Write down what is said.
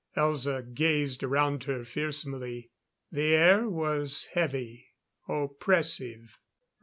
Elza gazed around her fearsomely. The air was heavy, oppressive.